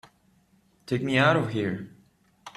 Take me out of here!